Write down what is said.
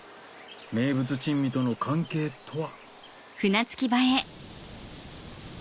名物珍味との関係とは？